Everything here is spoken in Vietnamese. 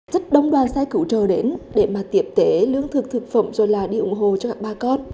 rất đông đoàn sai cửu trở đến để mà tiệm tế lương thực thực phẩm rồi là đi ủng hộ cho các ba con